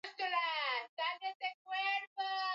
Alitambua umaarifu wake baada ya shindano